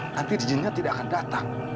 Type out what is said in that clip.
nanti izinnya tidak akan datang